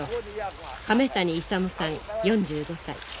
亀谷勇さん４５歳。